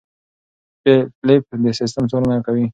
فېلېپ د سیستم څارنه کوي.